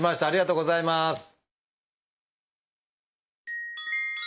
ありがとうございます。